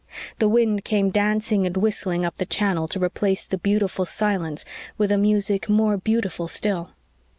The wind came dancing and whistling up the channel to replace the beautiful silence with a music more beautiful still.